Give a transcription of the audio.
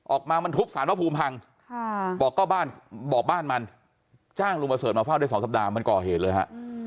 ออกมามันทุบสารว่าผูมพังบอกบ้านมันจ้างลุงประเสริฐมาเฝ้าได้สองสัปดาห์มันก่อเหตุเลยฮะ